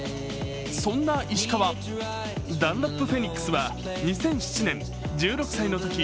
そんな石川、ダンロップフェニックスは２００７年、１６歳のとき